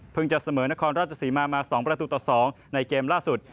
จะเสมอนครราชศรีมามา๒ประตูต่อ๒ในเกมล่าสุด